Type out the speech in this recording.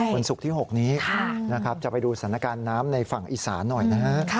วันศุกร์ที่๖นี้นะครับจะไปดูสถานการณ์น้ำในฝั่งอีสานหน่อยนะฮะ